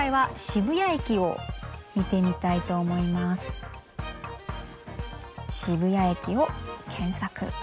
渋谷駅を検索。